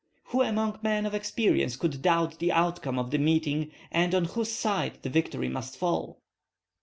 Who among men of experience could doubt the outcome of the meeting and on whose side the victory must fall?